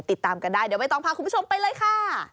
ติดตามกันได้เดี๋ยวใบตองพาคุณผู้ชมไปเลยค่ะ